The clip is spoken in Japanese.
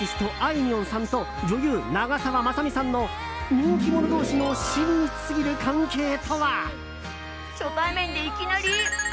いみょんさんと女優・長澤まさみさんの人気者同士の親密すぎる関係とは。